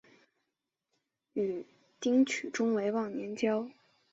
与丁取忠为忘年交。